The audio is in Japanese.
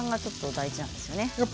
大事なんですよね。